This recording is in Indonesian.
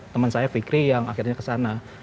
teman saya fikri yang akhirnya kesana